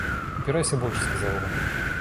Упирайся больше, — сказал он.